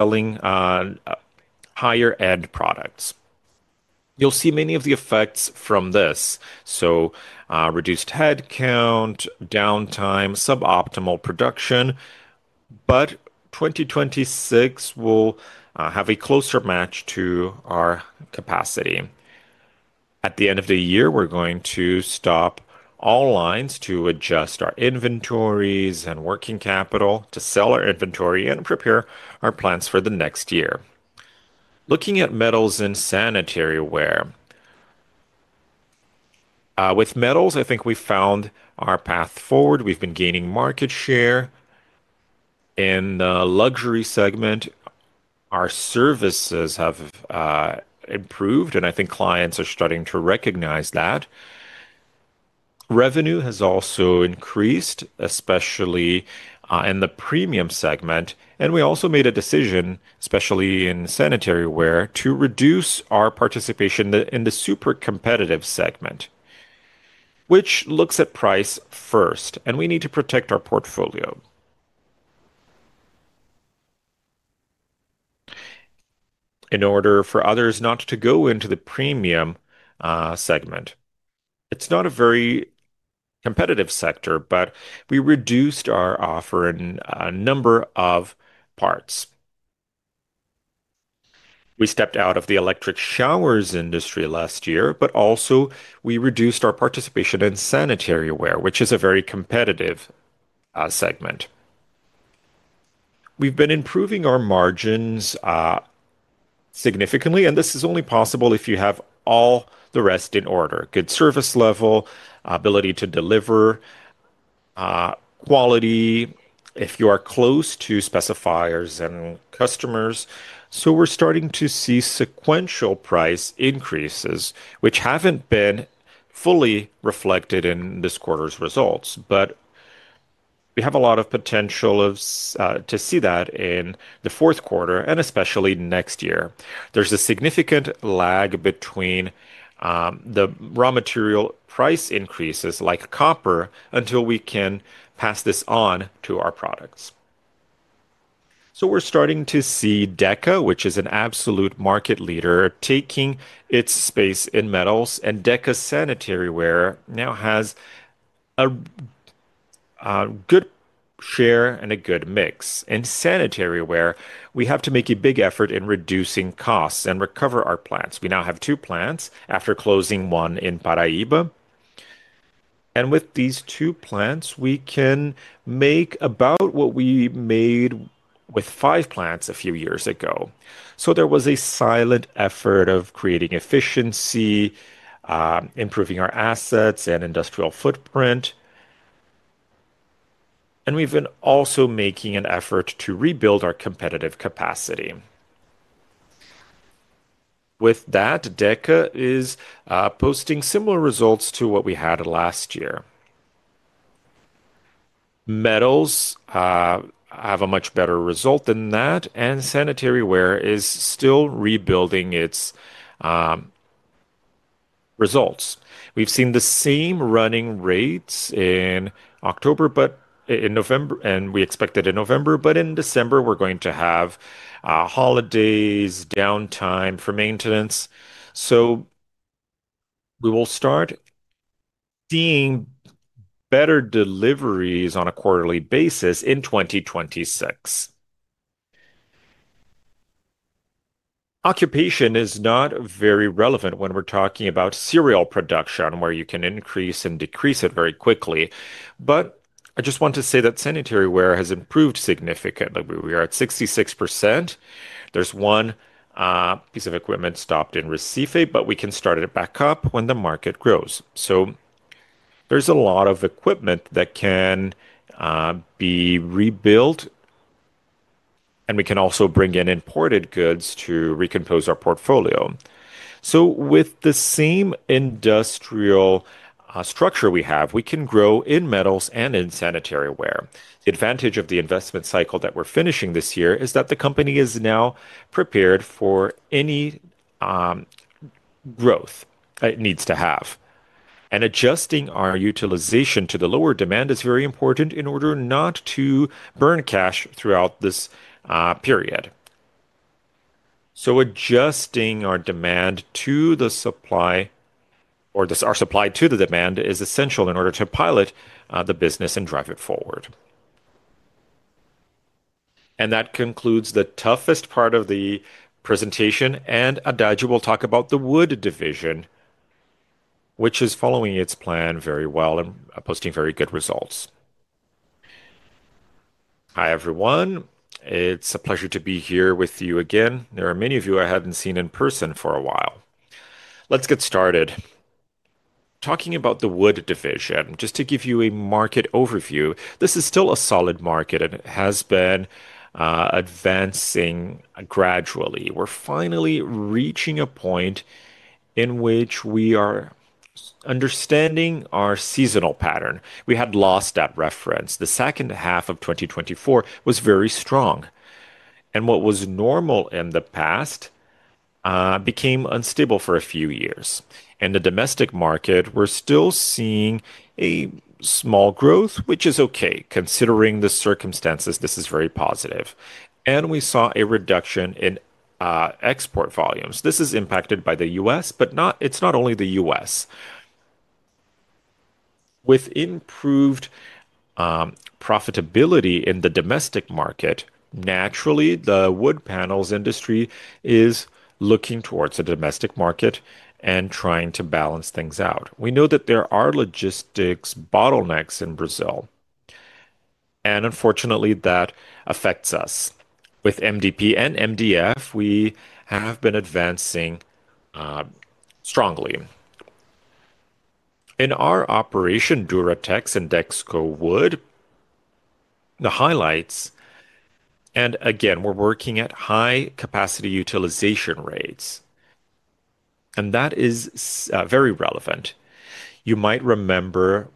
Selling, higher-end products. You'll see many of the effects from this, so reduced headcount, downtime, suboptimal production. 2026 will have a closer match to our capacity. At the end of the year, we're going to stop all lines to adjust our inventories and working capital to sell our inventory and prepare our plans for the next year. Looking at metals and sanitary ware. With metals, I think we found our path forward. We've been gaining market share in the luxury segment. Our services have improved, and I think clients are starting to recognize that. Revenue has also increased, especially in the premium segment. We also made a decision, especially in sanitary ware, to reduce our participation in the super-competitive segment, which looks at price first, and we need to protect our portfolio in order for others not to go into the premium segment. It's not a very. Competitive sector, but we reduced our offer in a number of parts. We stepped out of the electric showers industry last year, but also we reduced our participation in sanitary ware, which is a very competitive segment. We've been improving our margins significantly, and this is only possible if you have all the rest in order: good service level, ability to deliver, quality, if you are close to specifiers and customers. We're starting to see sequential price increases, which haven't been fully reflected in this quarter's results. We have a lot of potential to see that in the fourth quarter and especially next year. There's a significant lag between the raw material price increases like copper until we can pass this on to our products. We're starting to see Deca, which is an absolute market leader, taking its space in metals, and Deca Sanitary Ware now has a good share and a good mix. In sanitary ware, we have to make a big effort in reducing costs and recover our plants. We now have two plants after closing one in Paraíba. With these two plants, we can make about what we made with five plants a few years ago. There was a silent effort of creating efficiency, improving our assets and industrial footprint. We've been also making an effort to rebuild our competitive capacity. With that, Deca is posting similar results to what we had last year. Metals have a much better result than that, and sanitary ware is still rebuilding its results. We've seen the same running rates in October, but in November, and we expect it in November, but in December, we're going to have holidays, downtime for maintenance. We will start seeing better deliveries on a quarterly basis in 2026. Occupation is not very relevant when we're talking about serial production, where you can increase and decrease it very quickly. I just want to say that sanitary ware has improved significantly. We are at 66%. There's one piece of equipment stopped in Recife, but we can start it back up when the market grows. There's a lot of equipment that can be rebuilt, and we can also bring in imported goods to recompose our portfolio. With the same industrial structure we have, we can grow in metals and in sanitary ware. The advantage of the investment cycle that we're finishing this year is that the company is now prepared for any growth it needs to have. Adjusting our utilization to the lower demand is very important in order not to burn cash throughout this period. Adjusting our demand to the supply, or our supply to the demand, is essential in order to pilot the business and drive it forward. That concludes the toughest part of the presentation. Haddad will talk about the wood division, which is following its plan very well and posting very good results. Hi, everyone. It's a pleasure to be here with you again. There are many of you I hadn't seen in person for a while. Let's get started. Talking about the wood division, just to give you a market overview, this is still a solid market, and it has been advancing gradually. We're finally reaching a point in which we are understanding our seasonal pattern. We had lost that reference. The second half of 2024 was very strong. What was normal in the past became unstable for a few years. In the domestic market, we're still seeing a small growth, which is okay. Considering the circumstances, this is very positive. We saw a reduction in export volumes. This is impacted by the U.S., but it's not only the U.S. With improved profitability in the domestic market, naturally, the wood panels industry is looking towards the domestic market and trying to balance things out. We know that there are logistics bottlenecks in Brazil, and unfortunately, that affects us. With MDP and MDF, we have been advancing strongly in our operation, Duratex and Dexco Wood. The highlights, and again, we're working at high capacity utilization rates. That is very relevant. You might remember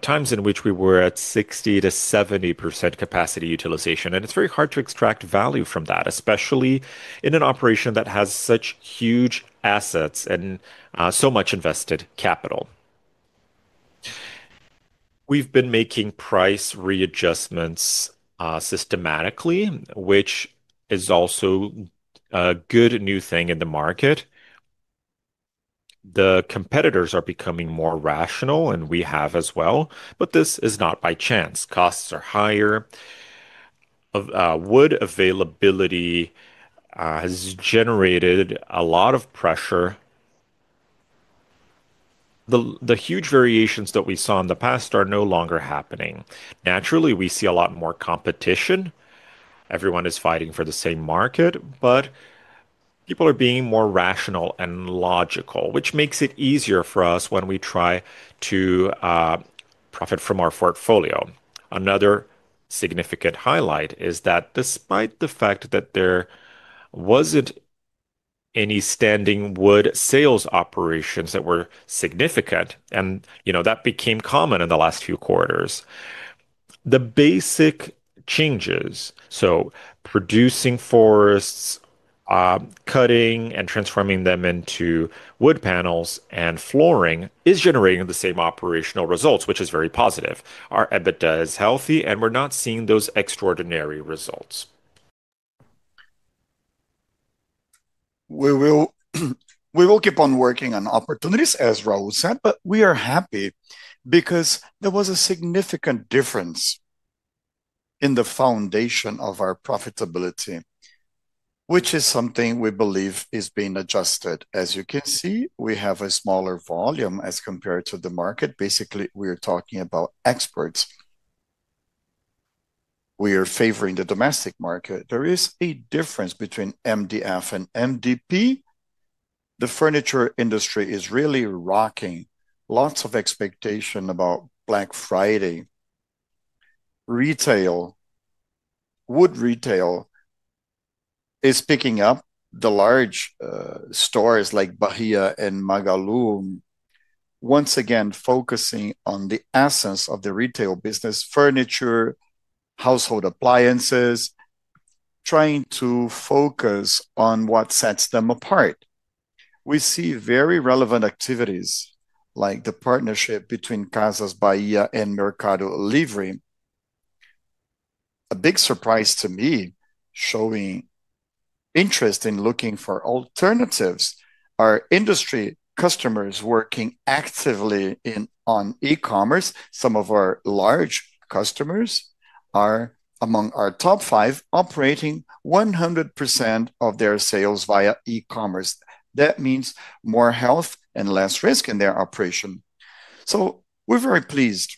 times in which we were at 60%-70% capacity utilization, and it's very hard to extract value from that, especially in an operation that has such huge assets and so much invested capital. We've been making price readjustments systematically, which is also a good new thing in the market. The competitors are becoming more rational, and we have as well, but this is not by chance. Costs are higher. Wood availability has generated a lot of pressure. The huge variations that we saw in the past are no longer happening. Naturally, we see a lot more competition. Everyone is fighting for the same market, but people are being more rational and logical, which makes it easier for us when we try to profit from our portfolio. Another significant highlight is that despite the fact that there wasn't. Any standing wood sales operations that were significant, and, you know, that became common in the last few quarters. The basic changes, so producing forests, cutting and transforming them into wood panels and flooring, is generating the same operational results, which is very positive. Our EBITDA is healthy, and we're not seeing those extraordinary results. We will keep on working on opportunities, as Raul said, but we are happy because there was a significant difference in the foundation of our profitability. Which is something we believe is being adjusted. As you can see, we have a smaller volume as compared to the market. Basically, we are talking about exports. We are favoring the domestic market. There is a difference between MDF and MDP. The furniture industry is really rocking. Lots of expectation about Black Friday. Retail. Wood retail is picking up. The large stores like Bahia and Magalu, once again, focusing on the essence of the retail business: furniture. Household appliances. Trying to focus on what sets them apart. We see very relevant activities like the partnership between Casas Bahia and Mercado Livre. A big surprise to me, showing interest in looking for alternatives. Our industry customers are working actively in on e-commerce. Some of our large customers are among our top five, operating 100% of their sales via e-commerce. That means more health and less risk in their operation. We are very pleased.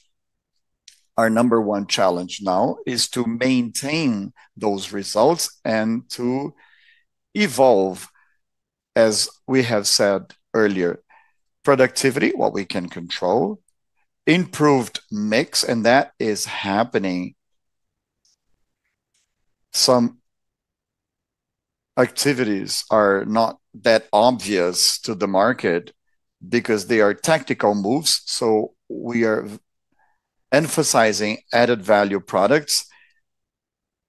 Our number one challenge now is to maintain those results and to evolve, as we have said earlier. Productivity, what we can control, improved mix, and that is happening. Some activities are not that obvious to the market because they are tactical moves. We are emphasizing added value products,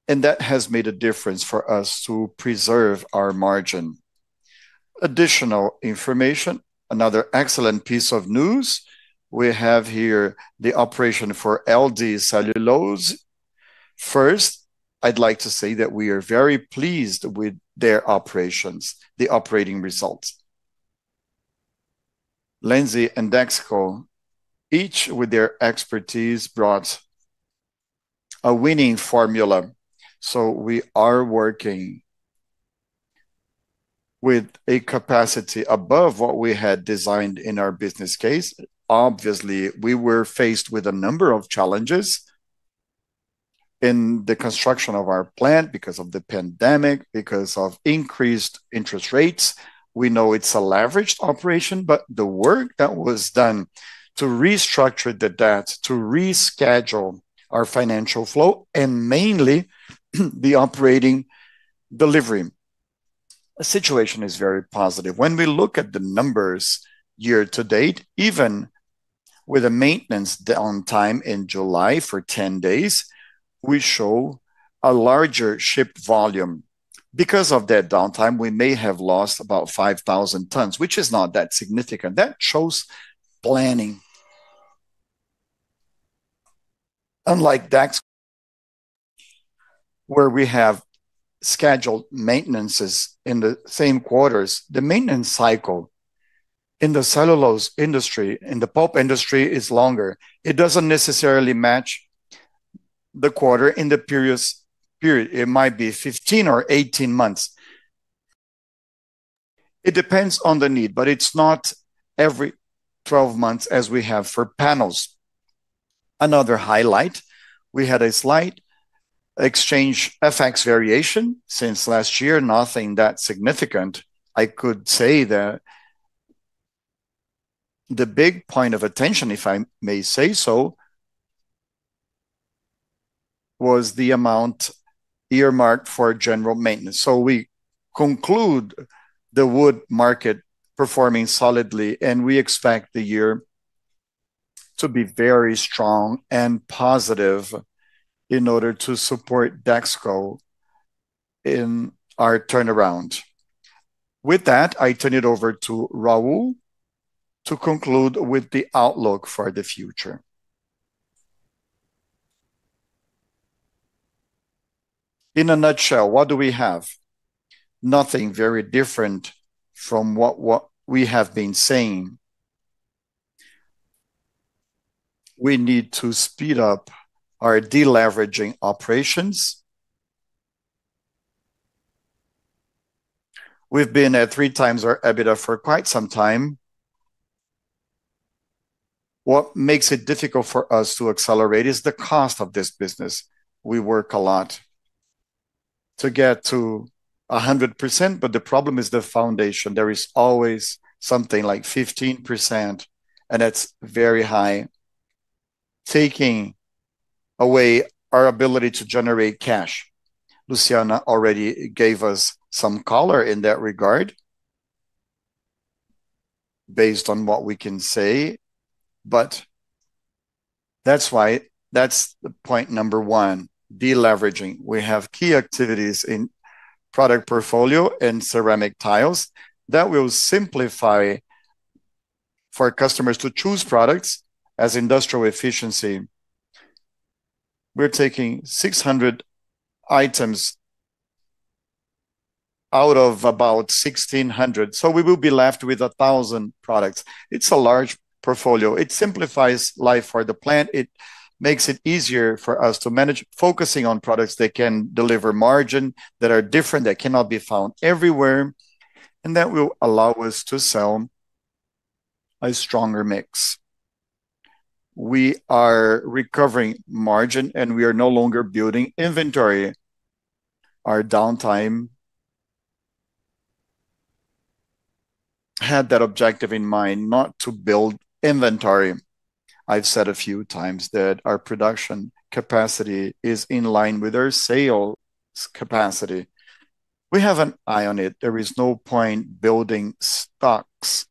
and that has made a difference for us to preserve our margin. Additional information, another excellent piece of news. We have here the operation for LD Cellulose. First, I would like to say that we are very pleased with their operations, the operating results. Lenzing and Dexco, each with their expertise, brought a winning formula. We are working. With a capacity above what we had designed in our business case. Obviously, we were faced with a number of challenges in the construction of our plant because of the pandemic, because of increased interest rates. We know it's a leveraged operation, but the work that was done to restructure the debt, to reschedule our financial flow, and mainly the operating delivery. The situation is very positive. When we look at the numbers year to date, even with a maintenance downtime in July for 10 days, we show a larger ship volume. Because of that downtime, we may have lost about 5,000 tons, which is not that significant. That shows planning. Unlike Dexco, where we have scheduled maintenances in the same quarters, the maintenance cycle in the cellulose industry, in the pulp industry, is longer. It doesn't necessarily match the quarter in the previous period. It might be 15 or 18 months. It depends on the need, but it's not every 12 months as we have for panels. Another highlight, we had a slight exchange effects variation since last year, nothing that significant. I could say that the big point of attention, if I may say so, was the amount earmarked for general maintenance. So we conclude the wood market performing solidly, and we expect the year to be very strong and positive in order to support Dexco in our turnaround. With that, I turn it over to Raul to conclude with the outlook for the future. In a nutshell, what do we have? Nothing very different from what we have been saying. We need to speed up our deleveraging operations. We've been at 3x our EBITDA for quite some time. What makes it difficult for us to accelerate is the cost of this business. We work a lot to get to 100%, but the problem is the foundation. There is always something like 15%, and that's very high, taking away our ability to generate cash. Luciana already gave us some color in that regard, based on what we can say. That's why that's the point number one: deleveraging. We have key activities in product portfolio and ceramic tiles that will simplify for customers to choose products as industrial efficiency. We're taking 600 items out of about 1,600, so we will be left with 1,000 products. It's a large portfolio. It simplifies life for the plant. It makes it easier for us to manage, focusing on products that can deliver margin, that are different, that cannot be found everywhere, and that will allow us to sell a stronger mix. We are recovering margin, and we are no longer building inventory. Our downtime had that objective in mind, not to build inventory. I've said a few times that our production capacity is in line with our sales capacity. We have an eye on it. There is no point building stocks.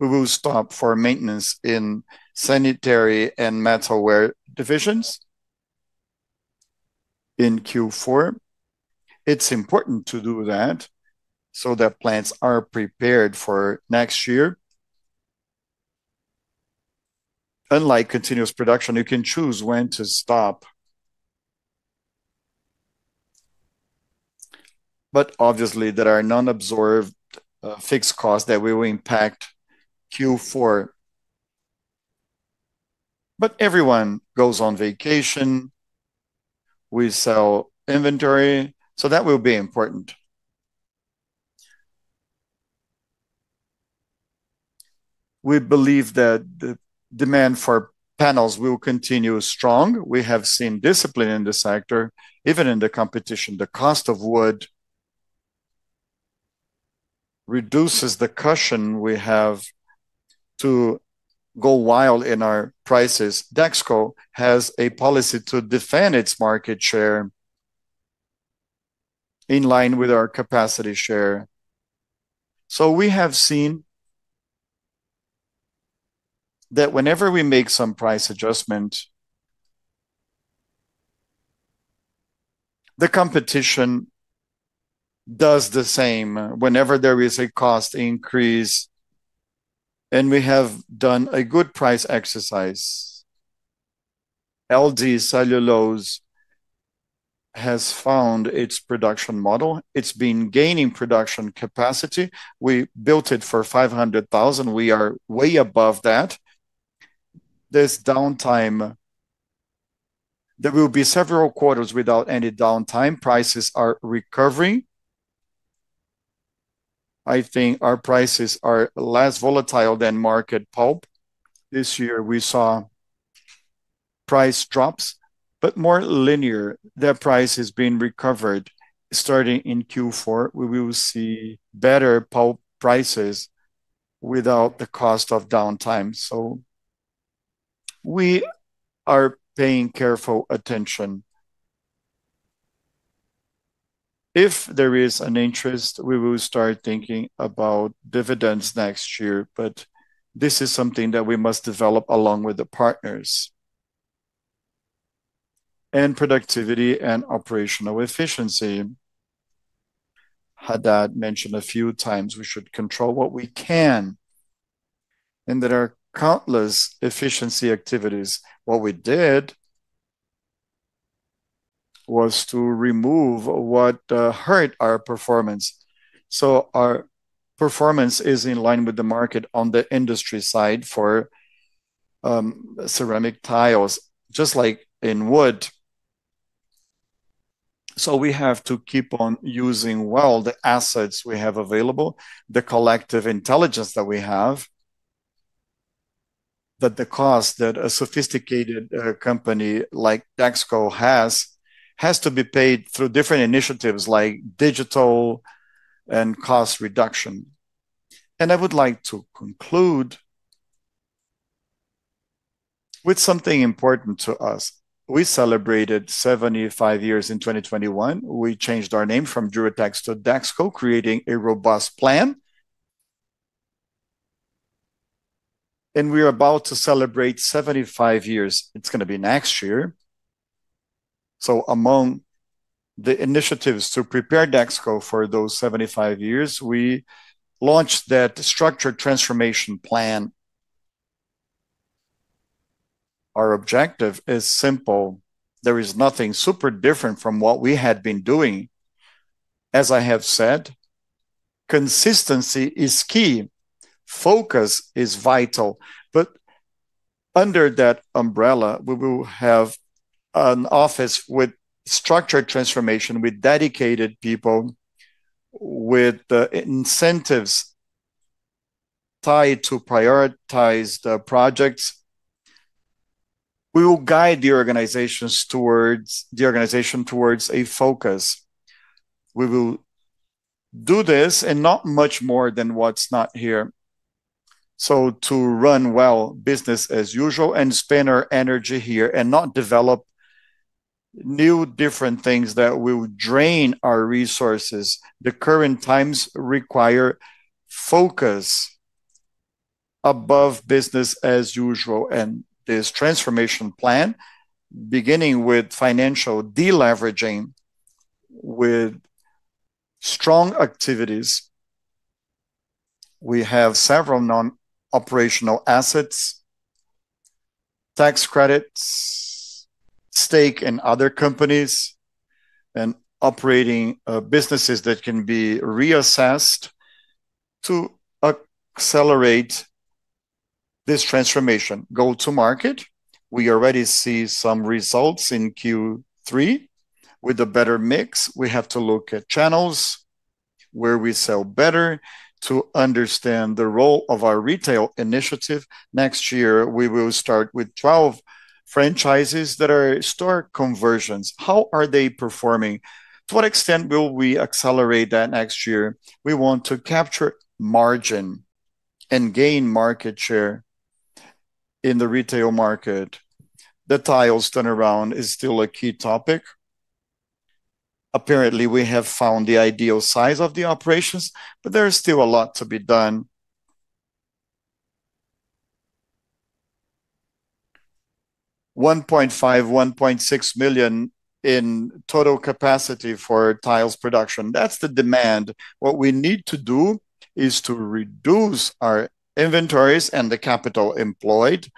We will stop for maintenance in sanitary and metalware divisions in Q4. It's important to do that so that plants are prepared for next year. Unlike continuous production, you can choose when to stop. Obviously, there are non-absorbed, fixed costs that will impact Q4. Everyone goes on vacation. We sell inventory, so that will be important. We believe that the demand for panels will continue strong. We have seen discipline in the sector, even in the competition. The cost of wood reduces the cushion we have to go wild in our prices. Dexco has a policy to defend its market share in line with our capacity share. We have seen that whenever we make some price adjustment, the competition does the same. Whenever there is a cost increase, and we have done a good price exercise, LD Cellulose has found its production model. It's been gaining production capacity. We built it for 500,000. We are way above that. This downtime, there will be several quarters without any downtime. Prices are recovering. I think our prices are less volatile than market pulp. This year, we saw price drops, but more linear. The price has been recovered. Starting in Q4, we will see better pulp prices without the cost of downtime. We are paying careful attention. If there is an interest, we will start thinking about dividends next year, but this is something that we must develop along with the partners. Productivity and operational efficiency. Haddad mentioned a few times we should control what we can. There are countless efficiency activities. What we did was to remove what hurt our performance. Our performance is in line with the market on the industry side for ceramic tiles, just like in wood. We have to keep on using well the assets we have available, the collective intelligence that we have. The cost that a sophisticated company like Dexco has has to be paid through different initiatives like digital and cost reduction. I would like to conclude with something important to us. We celebrated 75 years in 2021. We changed our name from Duratex to Dexco, creating a robust plan. We are about to celebrate 75 years. It is going to be next year. Among the initiatives to prepare Dexco for those 75 years, we launched that structured transformation plan. Our objective is simple. There is nothing super different from what we had been doing. As I have said, consistency is key. Focus is vital. Under that umbrella, we will have an office with structured transformation, with dedicated people, with the incentives tied to prioritized projects. We will guide the organization towards a focus. We will do this and not much more than what's not here. To run well, business as usual, and spend our energy here and not develop new different things that will drain our resources. The current times require focus above business as usual. This transformation plan, beginning with financial deleveraging, with strong activities. We have several non-operational assets, tax credits, stake in other companies, and operating businesses that can be reassessed to accelerate this transformation. Go to market. We already see some results in Q3. With a better mix, we have to look at channels. Where we sell better to understand the role of our retail initiative. Next year, we will start with 12 franchises that are historic conversions. How are they performing? To what extent will we accelerate that next year? We want to capture margin. And gain market share. In the retail market. The tiles turnaround is still a key topic. Apparently, we have found the ideal size of the operations, but there is still a lot to be done. 1.5 million-1.6 million in total capacity for tiles production. That's the demand. What we need to do is to reduce our inventories and the capital employed,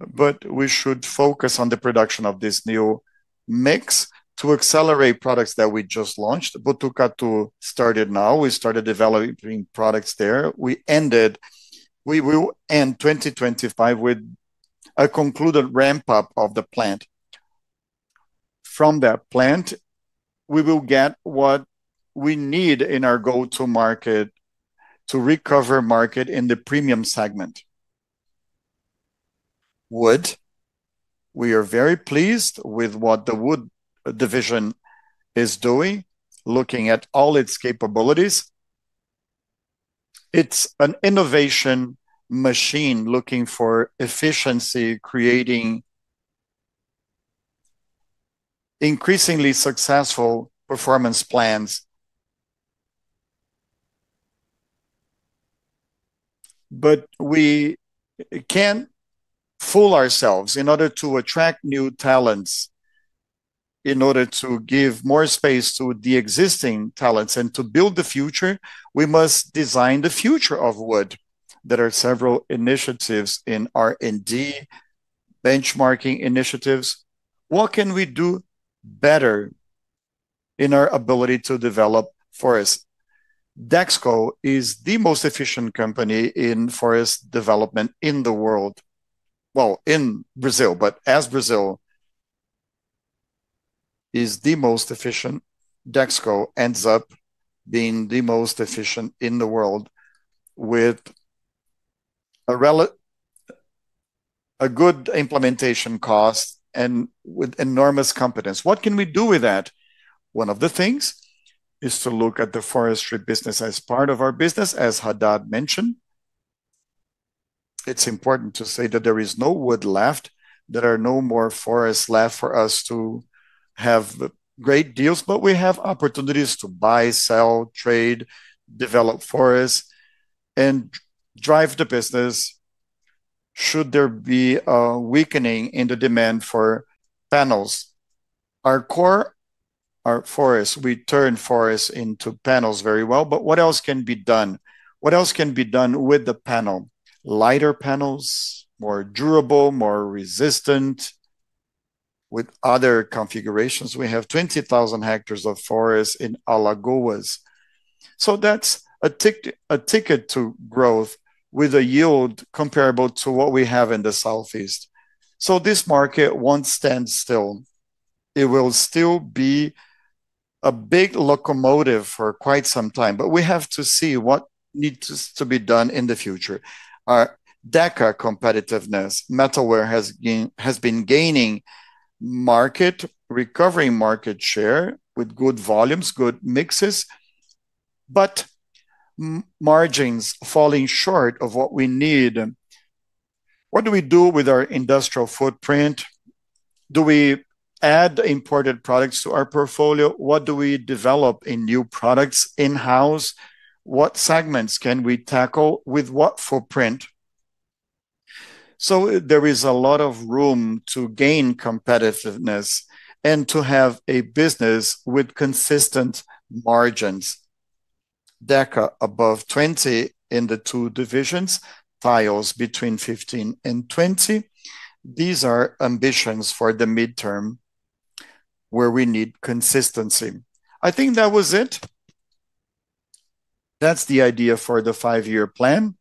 but we should focus on the production of this new mix to accelerate products that we just launched. Botucatu started now. We started developing products there. We ended. We will end 2025 with a concluded ramp-up of the plant. From that plant, we will get what we need in our go-to-market to recover market in the premium segment. Wood. We are very pleased with what the wood division is doing, looking at all its capabilities. It's an innovation machine looking for efficiency, creating increasingly successful performance plans. We can't fool ourselves. In order to attract new talents, in order to give more space to the existing talents and to build the future, we must design the future of wood. There are several initiatives in R&D. Benchmarking initiatives. What can we do better in our ability to develop forest? Dexco is the most efficient company in forest development in the world. In Brazil, as Brazil is the most efficient, Dexco ends up being the most efficient in the world. A relative good implementation cost and with enormous competence. What can we do with that? One of the things is to look at the forestry business as part of our business, as Haddad mentioned. It's important to say that there is no wood left. There are no more forests left for us to have great deals, but we have opportunities to buy, sell, trade, develop forests, and drive the business. Should there be a weakening in the demand for panels, our core, our forests, we turn forests into panels very well, but what else can be done? What else can be done with the panel? Lighter panels, more durable, more resistant, with other configurations. We have 20,000 hectares of forest in Alagoas. So that's a ticket to growth with a yield comparable to what we have in the Southeast. This market won't stand still. It will still be. A big locomotive for quite some time, but we have to see what needs to be done in the future. Our Deca competitiveness, metalware has been gaining. Market, recovering market share with good volumes, good mixes. Margins falling short of what we need. What do we do with our industrial footprint? Do we add imported products to our portfolio? What do we develop in new products in-house? What segments can we tackle with what footprint? There is a lot of room to gain competitiveness and to have a business with consistent margins. Deca above 20 in the two divisions, tiles between 15-20. These are ambitions for the midterm. Where we need consistency. I think that was it. That's the idea for the five-year plan.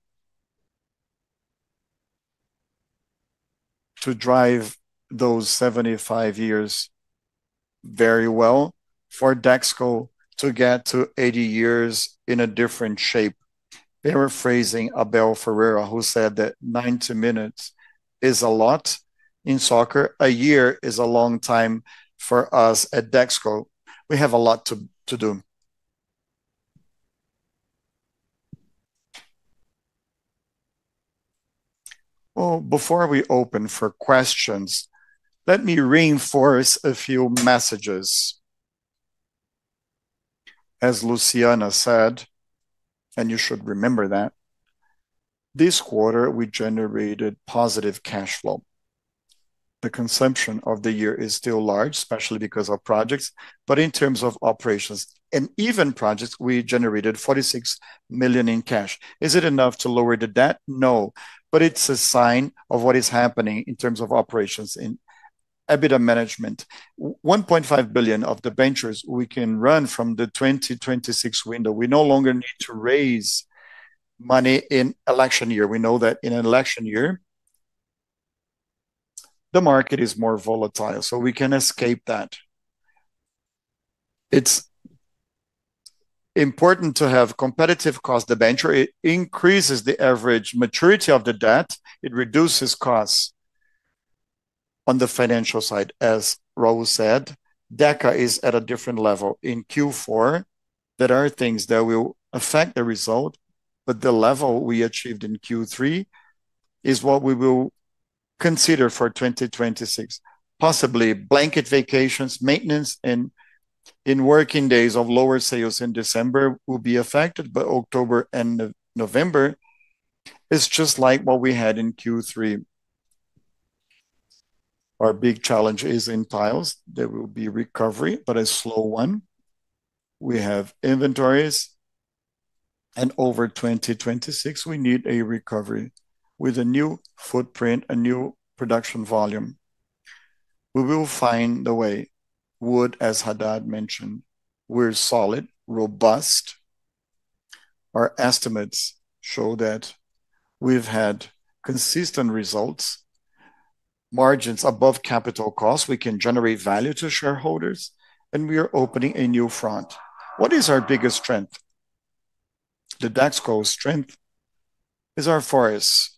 To drive those 75 years. Very well for Dexco to get to 80 years in a different shape. Paraphrasing Abel Ferreira, who said that 90 minutes is a lot in soccer, a year is a long time for us at Dexco. We have a lot to do. Before we open for questions, let me reinforce a few messages. As Luciana said. You should remember that. This quarter, we generated positive cash flow. The consumption of the year is still large, especially because of projects, but in terms of operations and even projects, we generated 46 million in cash. Is it enough to lower the debt? No, but it is a sign of what is happening in terms of operations in EBITDA management. 1.5 billion of the ventures we can run from the 2026 window. We no longer need to raise money in election year. We know that in an election year the market is more volatile, so we can escape that. It is important to have competitive cost. The venture increases the average maturity of the debt. It reduces costs on the financial side. As Raul said, Deca is at a different level in Q4. There are things that will affect the result, but the level we achieved in Q3 is what we will consider for 2026. Possibly blanket vacations, maintenance, and in working days of lower sales in December will be affected, but October and November is just like what we had in Q3. Our big challenge is in tiles. There will be recovery, but a slow one. We have inventories, and over 2026, we need a recovery with a new footprint, a new production volume. We will find the way. Wood, as Haddad mentioned, we are solid, robust. Our estimates show that. We have had consistent results, margins above capital costs. We can generate value to shareholders, and we are opening a new front. What is our biggest strength? The Dexco strength is our forests.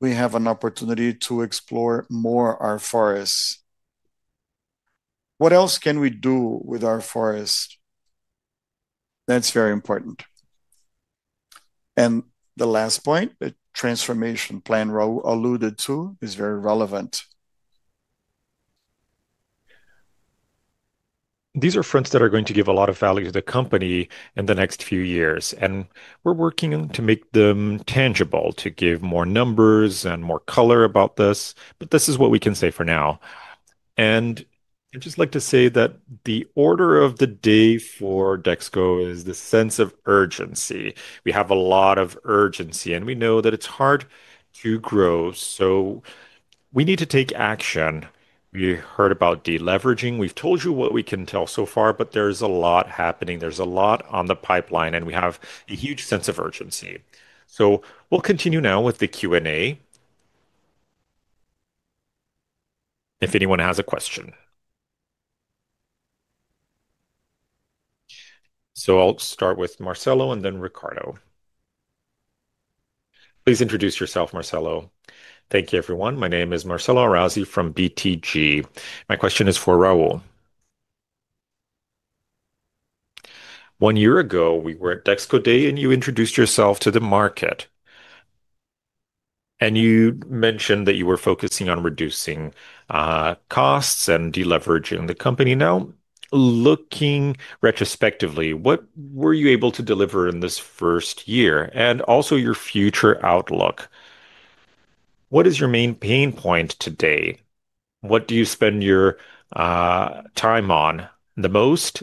We have an opportunity to explore more our forests. What else can we do with our forests? That's very important. The last point, the transformation plan Raul alluded to, is very relevant. These are fronts that are going to give a lot of value to the company in the next few years, and we're working to make them tangible, to give more numbers and more color about this, but this is what we can say for now. I'd just like to say that the order of the day for Dexco is the sense of urgency. We have a lot of urgency, and we know that it's hard to grow, so we need to take action. We heard about deleveraging. We've told you what we can tell so far, but there's a lot happening. There's a lot on the pipeline, and we have a huge sense of urgency. We'll continue now with the Q&A. If anyone has a question. I'll start with Marcelo and then Ricardo. Please introduce yourself, Marcelo. Thank you, everyone. My name is Marcelo Arazi from BTG. My question is for Raul. One year ago, we were at Dexco Day, and you introduced yourself to the market. You mentioned that you were focusing on reducing costs and deleveraging the company. Now, looking retrospectively, what were you able to deliver in this first year and also your future outlook? What is your main pain point today? What do you spend your time on the most?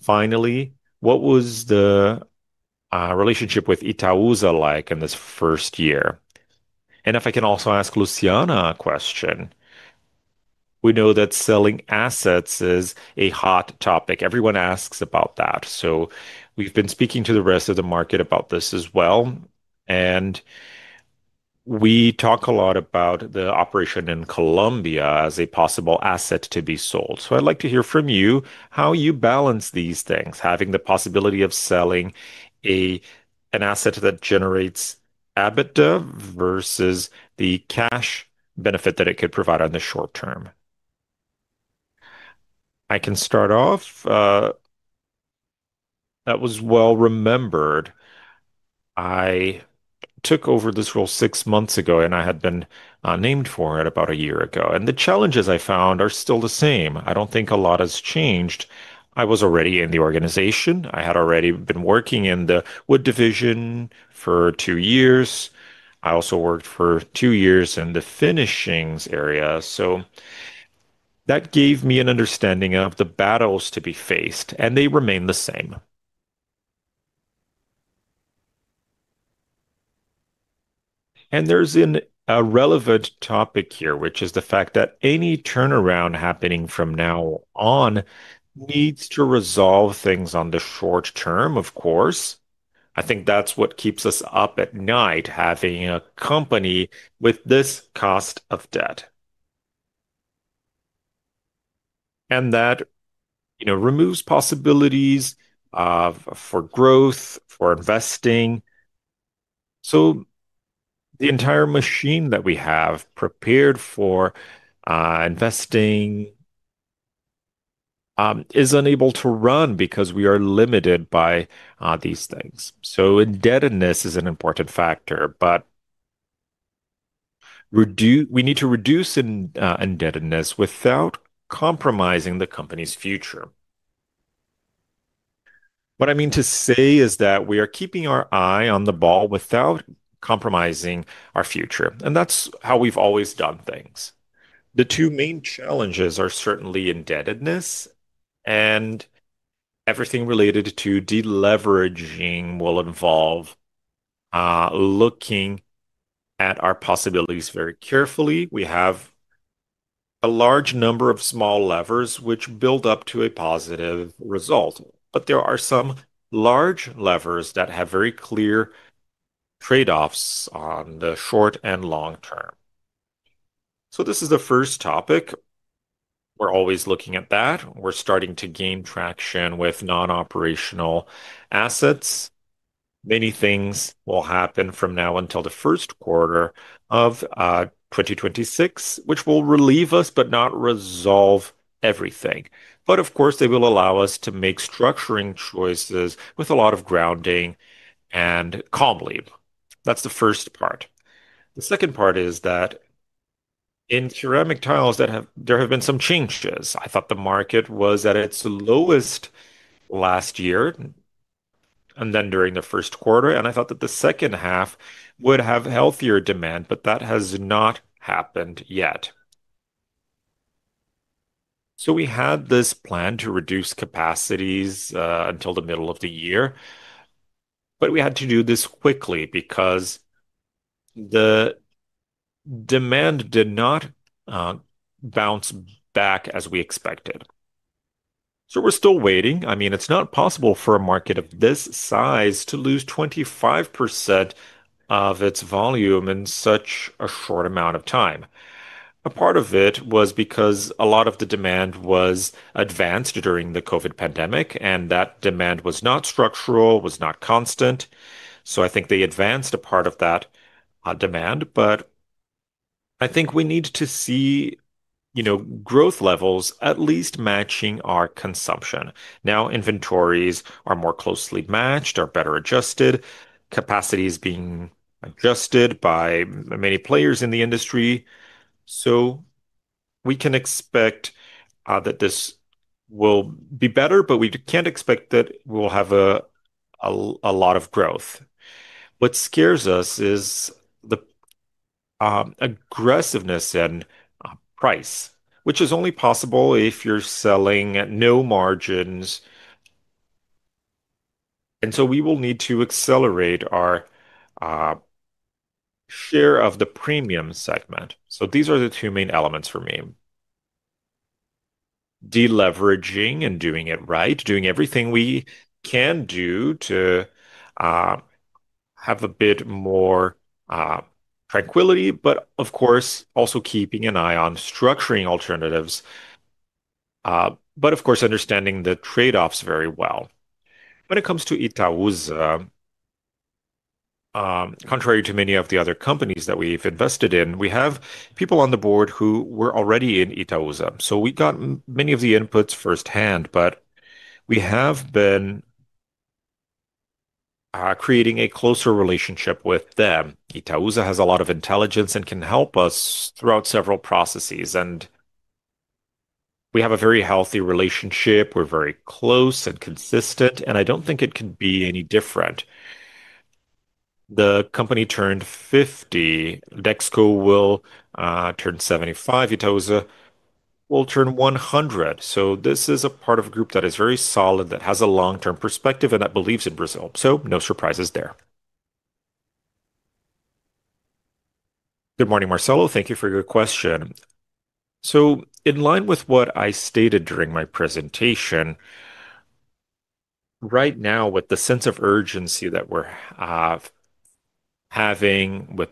Finally, what was the relationship with Itaúsa like in this first year? If I can also ask Luciana a question. We know that selling assets is a hot topic. Everyone asks about that. We have been speaking to the rest of the market about this as well. We talk a lot about the operation in Colombia as a possible asset to be sold. I would like to hear from you how you balance these things, having the possibility of selling an asset that generates EBITDA versus the cash benefit that it could provide in the short term. I can start off. That was well remembered. I took over this role six months ago, and I had been named for it about a year ago. The challenges I found are still the same. I do not think a lot has changed. I was already in the organization. I had already been working in the wood division for two years. I also worked for two years in the finishings area. That gave me an understanding of the battles to be faced, and they remain the same. There is a relevant topic here, which is the fact that any turnaround happening from now on needs to resolve things in the short term, of course. I think that's what keeps us up at night, having a company with this cost of debt. That removes possibilities for growth, for investing. The entire machine that we have prepared for investing is unable to run because we are limited by these things. Indebtedness is an important factor, but we need to reduce indebtedness without compromising the company's future. What I mean to say is that we are keeping our eye on the ball without compromising our future, and that's how we've always done things. The two main challenges are certainly indebtedness, and everything related to deleveraging will involve. Looking at our possibilities very carefully. We have a large number of small levers which build up to a positive result, but there are some large levers that have very clear trade-offs on the short and long term. This is the first topic. We're always looking at that. We're starting to gain traction with non-operational assets. Many things will happen from now until the first quarter of 2026, which will relieve us but not resolve everything. Of course, they will allow us to make structuring choices with a lot of grounding and calm leave. That's the first part. The second part is that in ceramic tiles, there have been some changes. I thought the market was at its lowest last year, and then during the first quarter, and I thought that the second half would have healthier demand, but that has not happened yet. We had this plan to reduce capacities until the middle of the year. We had to do this quickly because the demand did not bounce back as we expected. We're still waiting. I mean, it's not possible for a market of this size to lose 25% of its volume in such a short amount of time. A part of it was because a lot of the demand was advanced during the COVID pandemic, and that demand was not structural, was not constant. I think they advanced a part of that demand, but I think we need to see growth levels at least matching our consumption. Now, inventories are more closely matched, are better adjusted, capacity is being adjusted by many players in the industry. We can expect that this will be better, but we can't expect that we'll have a lot of growth. What scares us is the aggressiveness in price, which is only possible if you're selling at no margins. We will need to accelerate our share of the premium segment. These are the two main elements for me: deleveraging and doing it right, doing everything we can do to have a bit more tranquility, but of course, also keeping an eye on structuring alternatives. Of course, understanding the trade-offs very well. When it comes to Itaúsa, contrary to many of the other companies that we've invested in, we have people on the board who were already in Itaúsa. We got many of the inputs firsthand, but we have been creating a closer relationship with them. Itaúsa has a lot of intelligence and can help us throughout several processes, and we have a very healthy relationship. We're very close and consistent, and I don't think it can be any different. The company turned 50. Dexco will turn 75. Itaúsa will turn 100. This is a part of a group that is very solid, that has a long-term perspective, and that believes in Brazil. No surprises there. Good morning, Marcelo. Thank you for your question. In line with what I stated during my presentation, right now, with the sense of urgency that we're having with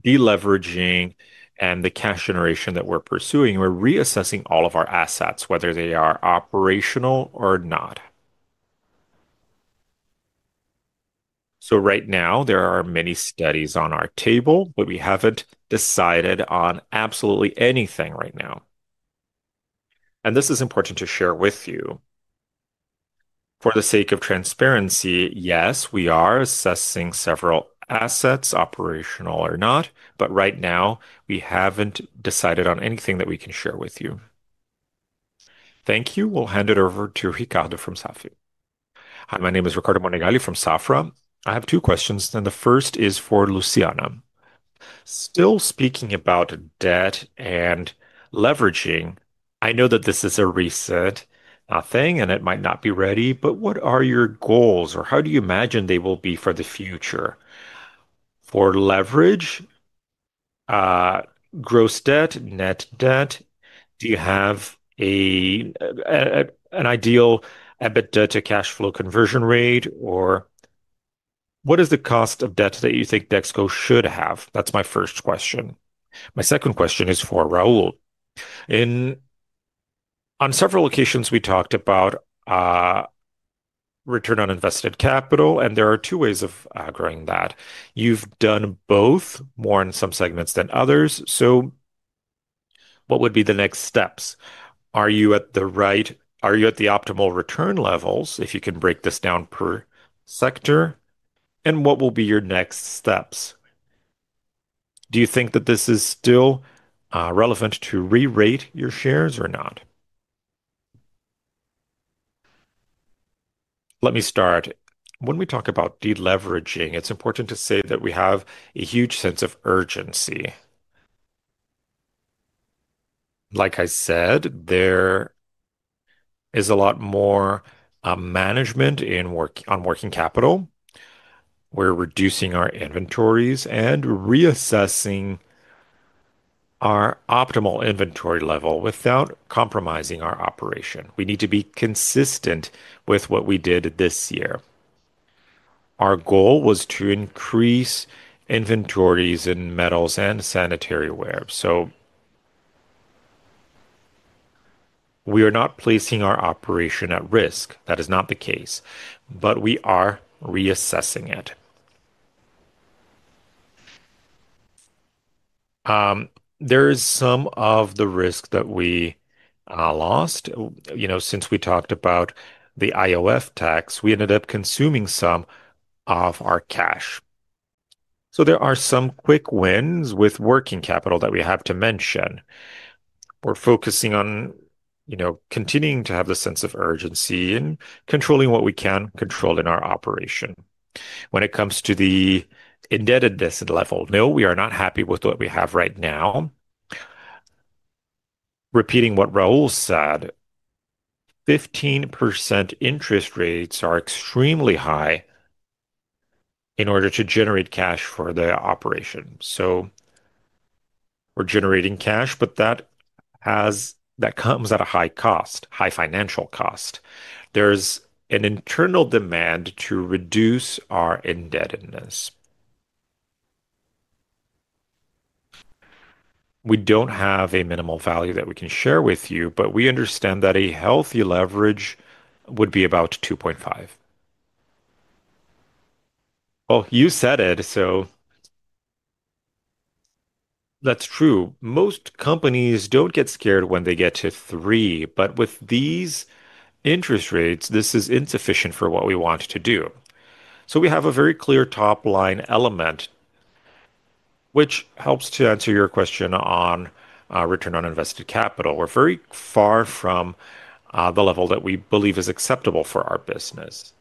deleveraging and the cash generation that we're pursuing, we're reassessing all of our assets, whether they are operational or not. Right now, there are many studies on our table, but we haven't decided on absolutely anything right now. This is important to share with you. For the sake of transparency, yes, we are assessing several assets, operational or not, but right now, we have not decided on anything that we can share with you. Thank you. We will hand it over to Ricardo from Safra. Hi, my name is Ricardo Monegaglia from Safra. I have two questions, and the first is for Luciana. Still speaking about debt and deleveraging, I know that this is a recent thing, and it might not be ready, but what are your goals, or how do you imagine they will be for the future? For leverage. Gross debt, net debt, do you have an ideal EBITDA to cash flow conversion rate, or what is the cost of debt that you think Dexco should have? That is my first question. My second question is for Raul. On several occasions, we talked about return on invested capital, and there are two ways of growing that. You've done both more in some segments than others. What would be the next steps? Are you at the right, are you at the optimal return levels? If you can break this down per sector, and what will be your next steps? Do you think that this is still relevant to re-rating your shares or not? Let me start. When we talk about deleveraging, it's important to say that we have a huge sense of urgency. Like I said, there is a lot more management on working capital. We're reducing our inventories and reassessing our optimal inventory level without compromising our operation. We need to be consistent with what we did this year. Our goal was to increase inventories in metals and sanitary ware. We are not placing our operation at risk. That is not the case, but we are reassessing it. There is some of the risk that we lost. Since we talked about the IOF tax, we ended up consuming some of our cash. There are some quick wins with working capital that we have to mention. We're focusing on continuing to have the sense of urgency and controlling what we can control in our operation. When it comes to the indebtedness level, no, we are not happy with what we have right now. Repeating what Raul said, 15% interest rates are extremely high in order to generate cash for the operation. We're generating cash, but that comes at a high cost, high financial cost. There's an internal demand to reduce our indebtedness. We don't have a minimal value that we can share with you, but we understand that a healthy leverage would be about 2.5. You said it, so that's true. Most companies do not get scared when they get to 3, but with these interest rates, this is insufficient for what we want to do. We have a very clear top-line element, which helps to answer your question on return on invested capital. We are very far from the level that we believe is acceptable for our business.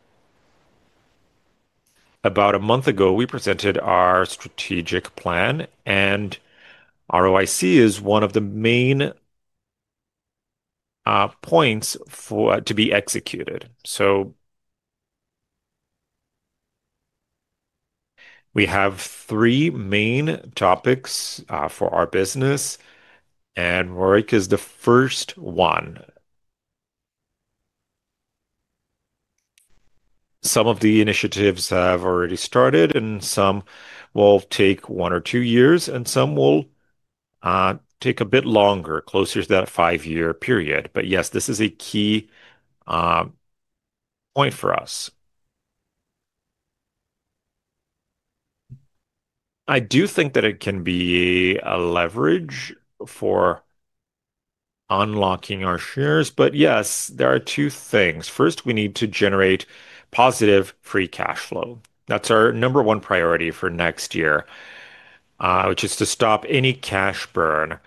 About a month ago, we presented our strategic plan, and ROIC is one of the main points to be executed. We have three main topics for our business, and ROIC is the first one. Some of the initiatives have already started, some will take one or two years, and some will take a bit longer, closer to that five-year period. Yes, this is a key point for us. I do think that it can be a leverage for unlocking our shares, but yes, there are two things. First, we need to generate positive free cash flow. That's our number one priority for next year. Which is to stop any cash burn,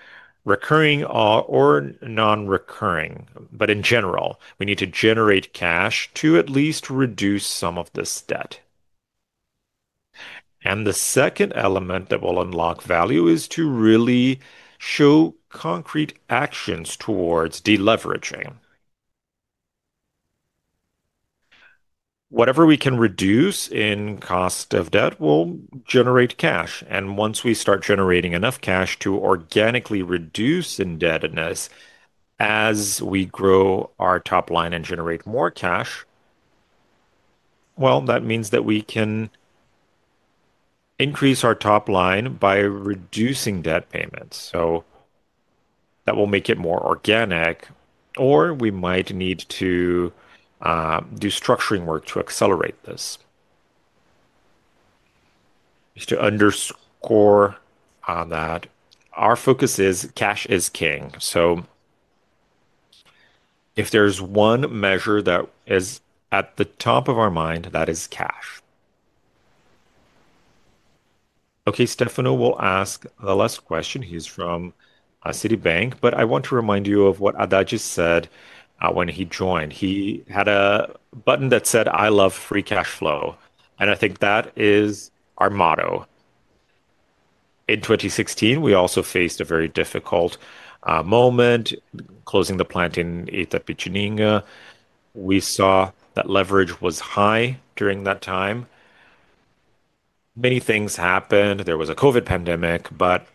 recurring or non-recurring. In general, we need to generate cash to at least reduce some of this debt. The second element that will unlock value is to really show concrete actions towards deleveraging. Whatever we can reduce in cost of debt will generate cash. Once we start generating enough cash to organically reduce indebtedness, as we grow our top line and generate more cash, that means that we can increase our top line by reducing debt payments. That will make it more organic, or we might need to do structuring work to accelerate this. Just to underscore, our focus is cash is king. If there's one measure that is at the top of our mind, that is cash. Okay, Stefano will ask the last question. He's from Citibank, but I want to remind you of what Haddad said when he joined. He had a button that said, "I love free cash flow." I think that is our motto. In 2016, we also faced a very difficult moment, closing the plant in Itapetininga. We saw that leverage was high during that time. Many things happened. There was a COVID pandemic, but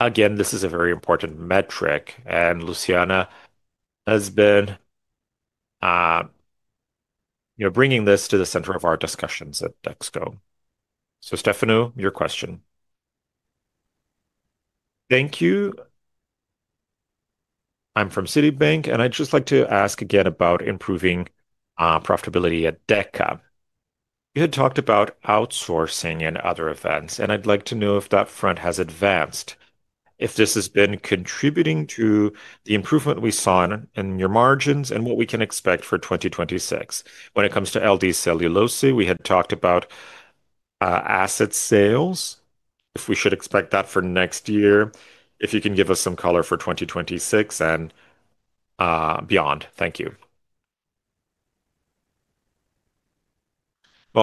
again, this is a very important metric, and Luciana has been bringing this to the center of our discussions at Dexco. Stefano, your question. Thank you. I'm from Citibank, and I'd just like to ask again about improving profitability at Deca. You had talked about outsourcing and other events, and I'd like to know if that front has advanced, if this has been contributing to the improvement we saw in your margins and what we can expect for 2026. When it comes to LD Cellulose, we had talked about asset sales, if we should expect that for next year, if you can give us some color for 2026 and beyond. Thank you.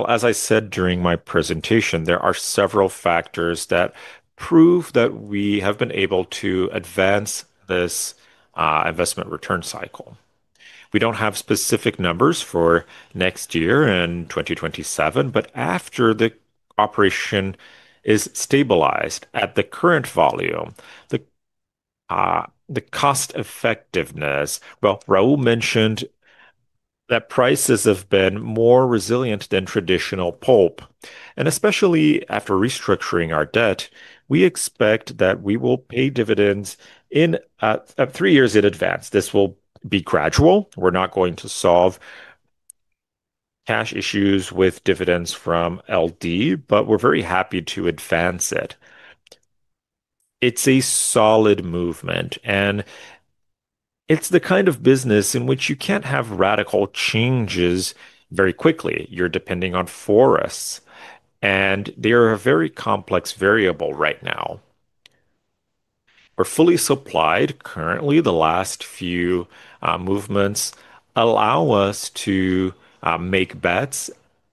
As I said during my presentation, there are several factors that prove that we have been able to advance this investment return cycle. We do not have specific numbers for next year and 2027, but after the operation is stabilized at the current volume, the cost-effectiveness, Raul mentioned that prices have been more resilient than traditional pulp. Especially after restructuring our debt, we expect that we will pay dividends in three years in advance. This will be gradual. We're not going to solve cash issues with dividends from LD, but we're very happy to advance it. It's a solid movement. It's the kind of business in which you can't have radical changes very quickly. You're depending on forests, and they are a very complex variable right now. We're fully supplied currently. The last few movements allow us to make bets,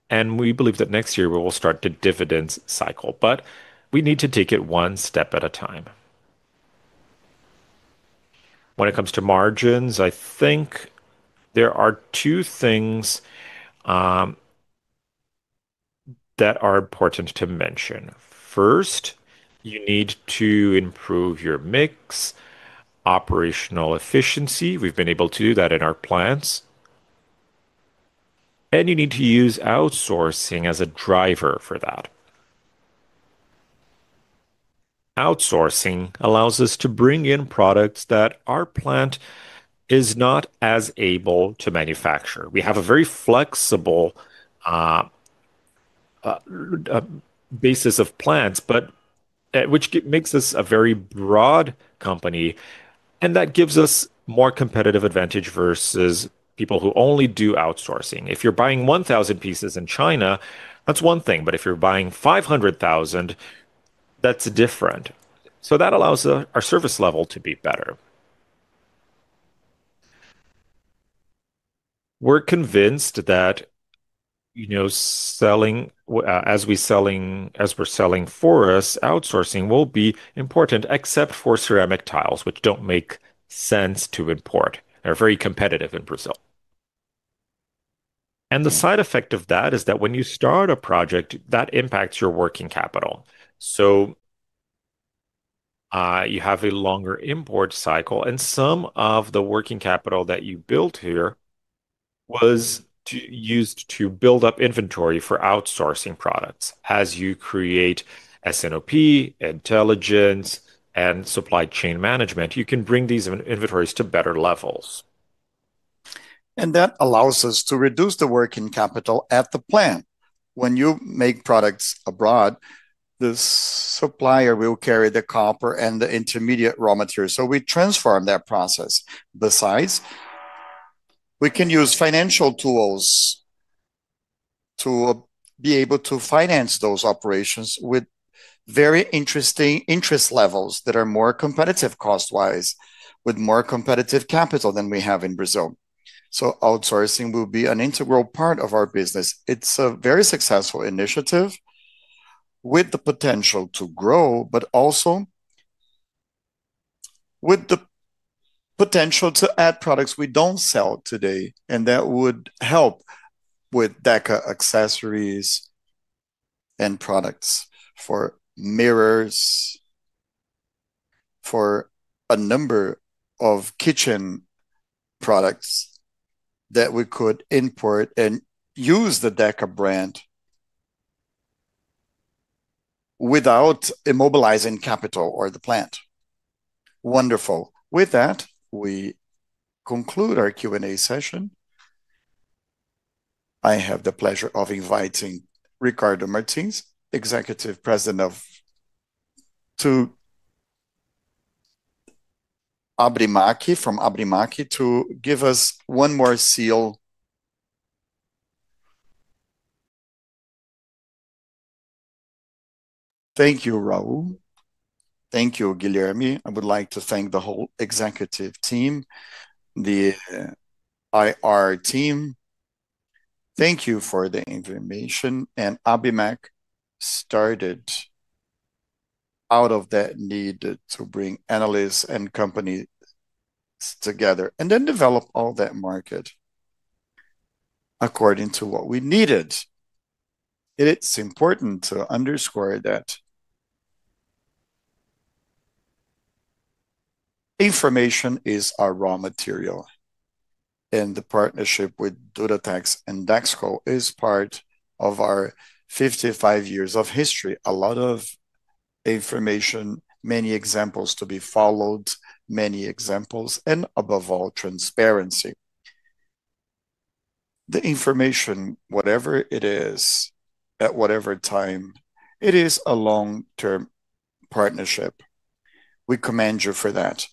and we believe that next year we will start the dividends cycle, but we need to take it one step at a time. When it comes to margins, I think there are two things that are important to mention. First, you need to improve your mix. Operational efficiency. We've been able to do that in our plants. You need to use outsourcing as a driver for that. Outsourcing allows us to bring in products that our plant is not as able to manufacture. We have a very flexible basis of plants, which makes us a very broad company. That gives us more competitive advantage versus people who only do outsourcing. If you're buying 1,000 pieces in China, that's one thing, but if you're buying 500,000, that's different. That allows our service level to be better. We're convinced that as we're selling forests, outsourcing will be important, except for ceramic tiles, which do not make sense to import. They're very competitive in Brazil. The side effect of that is that when you start a project, that impacts your working capital. You have a longer import cycle, and some of the working capital that you built here was used to build up inventory for outsourcing products. As you create S&OP, intelligence, and supply chain management, you can bring these inventories to better levels. That allows us to reduce the working capital at the plant. When you make products abroad, the supplier will carry the copper and the intermediate raw material. We transform that process. Besides, we can use financial tools to be able to finance those operations with very interesting interest levels that are more competitive cost-wise with more competitive capital than we have in Brazil. Outsourcing will be an integral part of our business. It is a very successful initiative with the potential to grow, but also with the potential to add products we do not sell today, and that would help with Deca accessories and products for mirrors, for a number of kitchen products that we could import and use the Deca brand without immobilizing capital or the plant. Wonderful. With that, we conclude our Q&A session. I have the pleasure of inviting Ricardo Martins, Executive President of Agreen, from Agreen Capital, to give us one more seal. Thank you, Raul. Thank you, Guilherme. I would like to thank the whole executive team, the IR team. Thank you for the information. Agreen Capital started out of that need to bring analysts and companies together and then develop all that market according to what we needed. It's important to underscore that information is our raw material, and the partnership with Duratex and Dexco is part of our 55 years of history. A lot of information, many examples to be followed, many examples, and above all, transparency. The information, whatever it is, at whatever time, it is a long-term partnership. We commend you for that.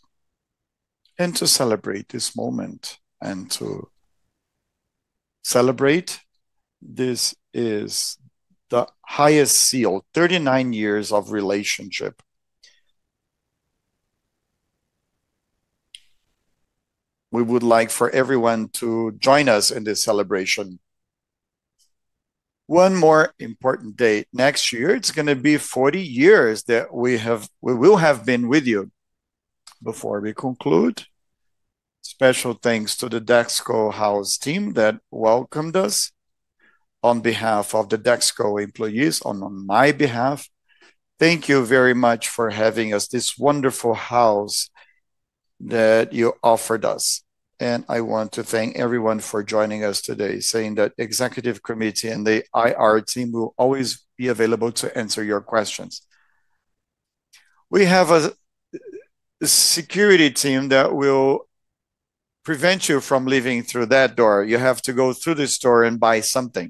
To celebrate this moment and to celebrate, this is the highest seal, 39 years of relationship. We would like for everyone to join us in this celebration. One more important date next year. It is going to be 40 years that we will have been with you. Before we conclude, special thanks to the Dexco House team that welcomed us. On behalf of the Dexco employees, on my behalf. Thank you very much for having us, this wonderful house that you offered us. I want to thank everyone for joining us today, saying that the executive committee and the IR team will always be available to answer your questions. We have a security team that will prevent you from leaving through that door. You have to go through this door and buy something.